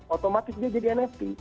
otomatis dia jadi nft